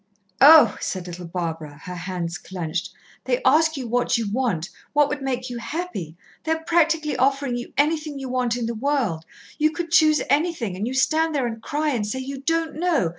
"Oh!" said little Barbara, her hands clenched, "they ask you what you want, what would make you happy they are practically offering you anything you want in the world you could choose anything, and you stand there and cry and say you don't know!